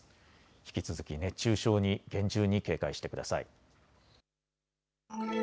引き続き熱中症に厳重に警戒してください。